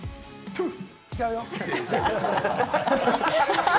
違うよ！